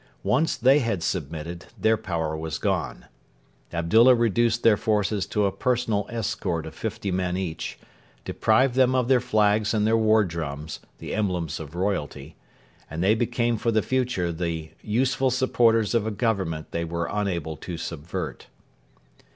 Once they had submitted, their power was gone. Abdullah reduced their forces to a personal escort of fifty men each, deprived them of their flags and their war drums the emblems of royalty and they became for the future the useful supporters of a Government they were unable to subvert.